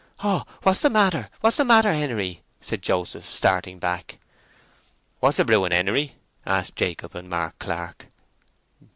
"O—what's the matter, what's the matter, Henery?" said Joseph, starting back. "What's a brewing, Henery?" asked Jacob and Mark Clark.